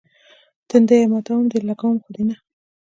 تنديه ماتوم دي، لګومه خو دې نه.